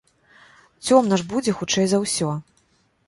Цёмна ж будзе хутчэй за ўсё.